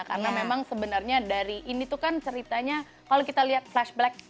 karena memang sebenarnya dari ini tuh kan ceritanya kalau kita lihat flashback